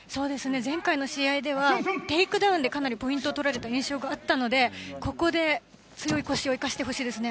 前回の試合ではテイクダウンでかなりポイントを取られた印象があったのでここで強い腰を生かしてほしいですね。